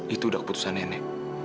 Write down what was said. itu udah keputusan nenek